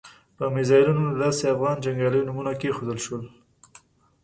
په میزایلونو د داسې افغان جنګیالیو نومونه کېښودل شول.